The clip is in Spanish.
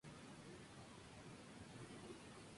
Ella quería enseñar pero no esperaba desarrollarlo a nada más.